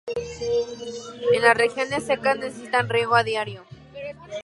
En las regiones secas necesitan riego diario.